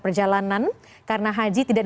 perjalanan karena haji tidak